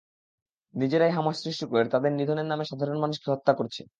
নিজেরাই হামাস সৃষ্টি করে তাদের নিধনের নামে সাধারণ মানুষকে হত্যা করছে।